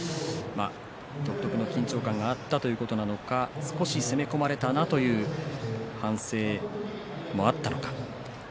独特の緊張感があったということなのか少し攻め込まれたなという反省もあったのか。